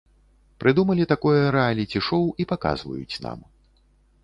Прыдумалі такое рэаліці-шоў і паказваюць нам.